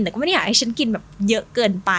แต่ก็ไม่ได้อยากให้ฉันกินแบบเยอะเกินไป